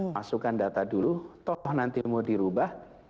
masukkan data dulu toh nanti mau dirubah